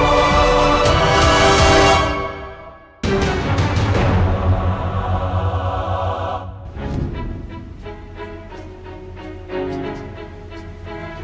kejadian malam itu kayak gimana sih